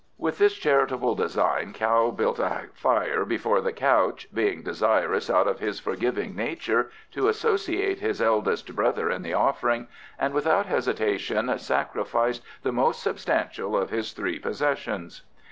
With this charitable design Kao build a fire before the couch (being desirous, out of his forgiving nature, to associate his eldest brother in the offering), and without hesitation sacrificed the most substantial of his three possessions.